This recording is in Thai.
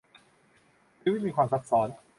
ชีวิตมีความซับซ้อน